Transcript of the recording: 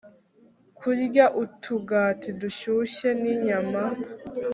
Kurya utugati dushyushye ninyama